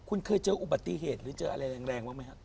คุณเคยเจออุบัติเหตุหรือเจออะไรแรงบ้างไหมครับ